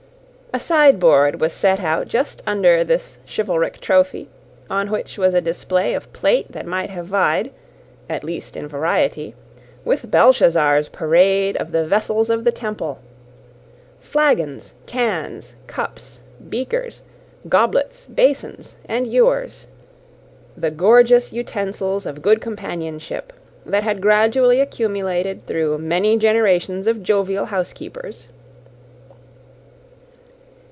A sideboard was set out just under this chivalric trophy, on which was a display of plate that might have vied (at least in variety) with Belshazzar's parade of the vessels of the Temple: "flagons, cans, cups, beakers, goblets, basins, and ewers;" the gorgeous utensils of good companionship, that had gradually accumulated through many generations of jovial housekeepers.